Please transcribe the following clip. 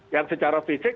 yang secara fisik